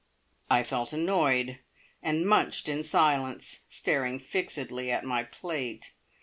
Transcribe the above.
I felt annoyed, and munched in silence, staring fixedly at my plate.